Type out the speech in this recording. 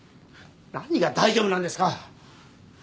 何が大丈夫なんですか？